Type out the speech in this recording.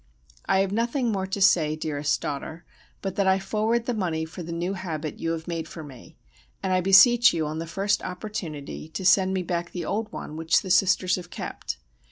I have nothing more to say, dearest daughter, but that I forward the money for the new habit you have made for me, and I beseech you, on the first opportunity, to send me back the old one which the sisters have kept.